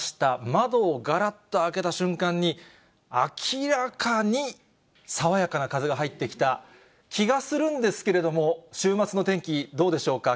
窓をがらっと開けた瞬間に、明らかに爽やかな風が入ってきた気がするんですけれども、週末の天気、どうでしょうか？